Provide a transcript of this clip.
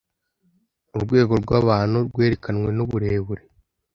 urwego rwabantu rwerekanwe n'uburebure